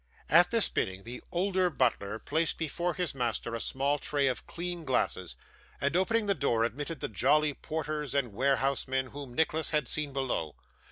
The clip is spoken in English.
At this bidding, the older butler placed before his master a small tray of clean glasses, and opening the door admitted the jolly porters and warehousemen whom Nicholas had seen below.